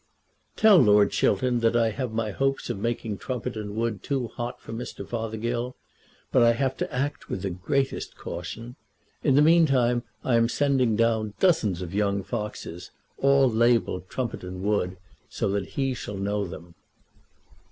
Tell Lord Chiltern that I have my hopes of making Trumpeton Wood too hot for Mr. Fothergill, but I have to act with the greatest caution. In the meantime I am sending down dozens of young foxes, all labelled Trumpeton Wood, so that he shall know them.